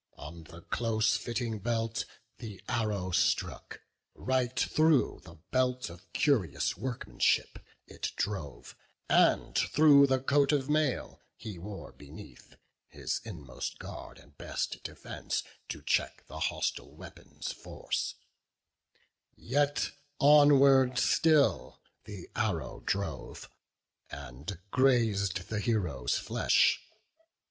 On the close fitting belt the arrow struck; Right through the belt of curious workmanship It drove, and through the breastplate richly wrought, And through the coat of mail he wore beneath, His inmost guard and best defence to check The hostile weapons' force; yet onward still The arrow drove, and graz'd the hero's flesh.